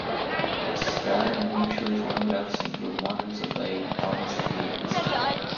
Its rare and unusual phonographs include models by Thomas A. Edison.